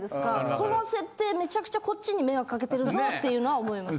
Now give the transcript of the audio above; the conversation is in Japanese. この設定めちゃくちゃこっちに迷惑かけてるぞっていうのは思います。